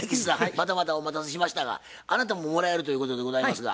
またまたお待たせしましたがあなたももらえるということでございますが？